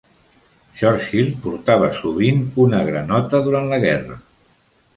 Churchill portava sovint una granota durant la guerra.